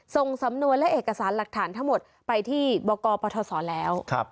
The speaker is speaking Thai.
ส่งสำนวนและเอกสารหลักฐานทั้งหมดไปที่บกปทศแล้ว